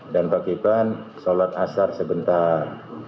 dan pak ki plan sholat asar sebentar